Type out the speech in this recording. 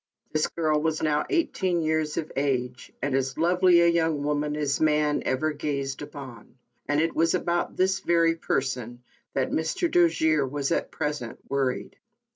This girl was now eighteen years of age, and as lovely a young woman as man ever gazed upon; and it was about this very person that Mr. Dojere was at present worried.